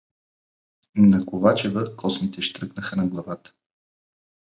На Ковачева космите щръкнаха на главата.